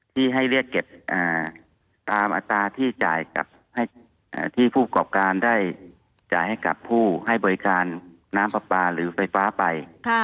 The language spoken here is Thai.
ที่ให้เรียกเก็บตามอัตราที่ผู้กรอบการได้จ่ายให้กับผู้ให้บริการน้ำปลาปลาหรือไฟฟ้าไป